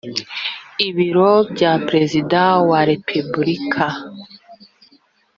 ibiro bya perezida wa repubulika